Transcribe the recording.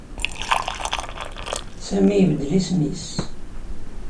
Sami ibeddel isem-nnes.